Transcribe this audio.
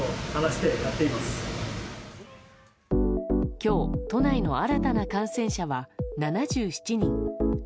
今日、都内の新たな感染者は７７人。